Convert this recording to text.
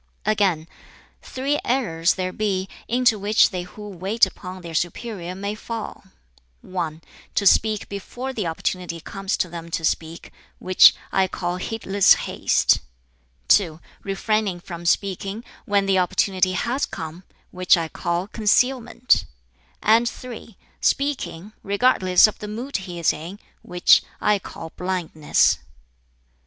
Again, "Three errors there be, into which they who wait upon their superior may fall: (1) to speak before the opportunity comes to them to speak, which I call heedless haste; (2) refraining from speaking when the opportunity has come, which I call concealment; and (3) speaking, regardless of the mood he is in, which I call blindness."